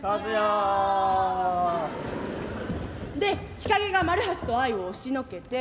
で千影が丸橋と愛衣を押しのけて。